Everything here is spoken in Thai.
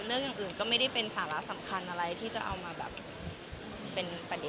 เรื่องอย่างอื่นก็ไม่ได้เป็นสาระสำคัญอะไรที่จะเอามาแบบเป็นประเด็น